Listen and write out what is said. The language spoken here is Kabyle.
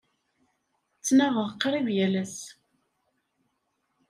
Ttnaɣeɣ qrib yal ass.